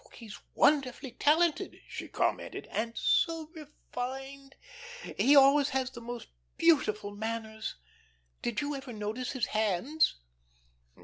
"He's wonderfully talented," she commented, "and so refined. He always had the most beautiful manners. Did you ever notice his hands?"